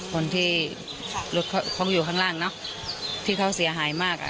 คนที่รถเขาอยู่ข้างล่างเนอะที่เขาเสียหายมากอ่ะ